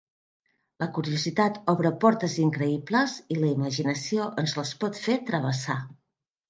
La curiositat obre portes increïbles i la imaginació ens les pot fer travessar.